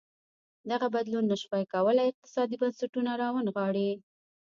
دغه بدلون نه ش وای کولی اقتصادي بنسټونه راونغاړي.